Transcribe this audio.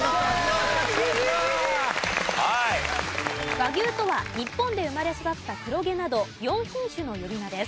和牛とは日本で生まれ育った黒毛など４品種の呼び名です。